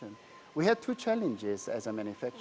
kami memiliki dua tantangan sebagai pembangunan